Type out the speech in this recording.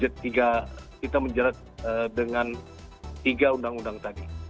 ketiga kita menjerat dengan tiga undang undang tadi